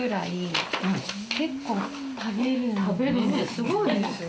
すごいですね。